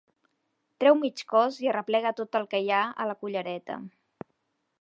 Treu mig cos i arreplega tot el que hi ha a la cullereta.